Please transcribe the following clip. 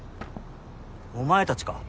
お前たちか？